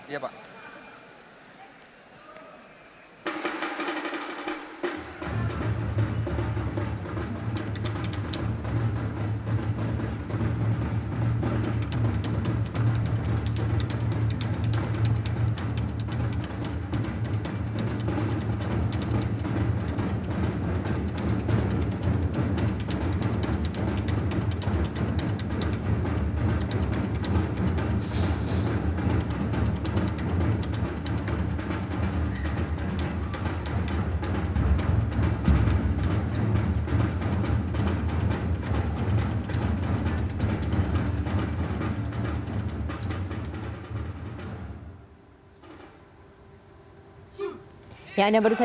ya ya ya bapak